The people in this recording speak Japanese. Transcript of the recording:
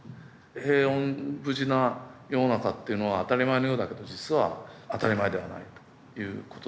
平穏無事な世の中っていうのは当たり前のようだけど実は当たり前ではないということですよね。